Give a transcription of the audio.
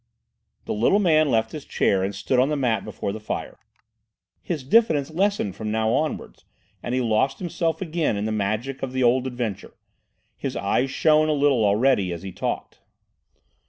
The little man left his chair and stood on the mat before the fire. His diffidence lessened from now onwards, as he lost himself again in the magic of the old adventure. His eyes shone a little already as he talked.